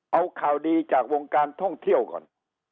เอาข่าวดีจากวงการท่องเที่ยวก่อน